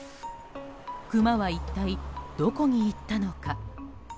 クマは一体どこに行ったのか。